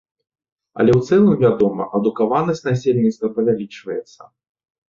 Але ў цэлым, вядома, адукаванасць насельніцтва павялічваецца.